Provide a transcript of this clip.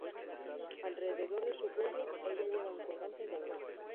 Alrededor de su cuello, ella lleva un colgante de oro.